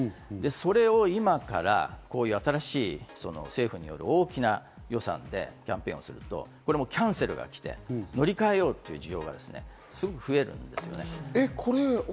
それを今から新しい政府による大きな予算でキャンペーンをするとキャンセルがきて、乗り換えようという需要がすごく増えるんですね。